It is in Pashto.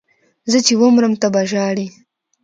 زه چې ومرم ته به ژاړې